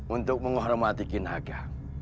untuk menghormati kinaga